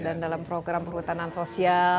dan dalam program perhutanan sosial